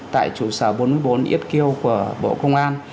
tại trụ sở bốn mươi bốn yết kiêu của bộ công an